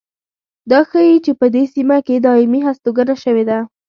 دا ښيي چې په دې سیمه کې دایمي هستوګنه شوې ده